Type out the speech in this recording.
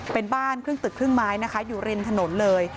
เป็นบ้านครึ่งตึกครึ่งไม้นะคะอยู่ริมถนนเลย